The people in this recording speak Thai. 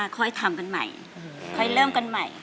ค่อยทำกันใหม่ค่อยเริ่มกันใหม่